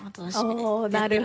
なるほど。